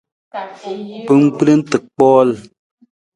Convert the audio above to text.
Kpinggbelang ta kpool.